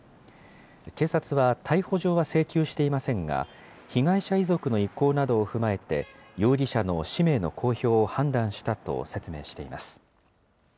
警察は逮捕状は請求していませんが、被害者遺族の意向などを踏まえて、容疑者の氏名の公表を判断したと説明しています。